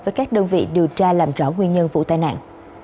với các đơn vị điều tra làm rõ nguyên nhân vụ tai nạn